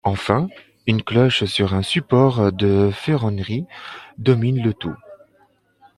Enfin une cloche sur un support de ferronnerie domine le tout.